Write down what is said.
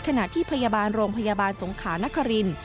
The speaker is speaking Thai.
ขณะที่พยาบาลโรงพยาบาลสงขานครินทร์